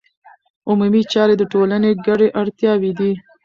عمومي چارې د ټولنې ګډې اړتیاوې دي.